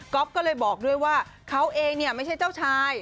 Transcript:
ก็เลยบอกด้วยว่าเขาเองเนี่ยไม่ใช่เจ้าชาย